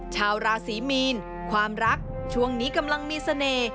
ชาวราศีมีนความรักช่วงนี้กำลังมีเสน่ห์